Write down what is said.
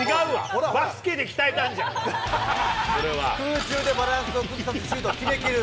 空中でバランスを崩さずシュートを決めきる。